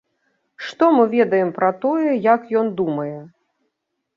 Што мы ведаем пра тое, як ён думае?!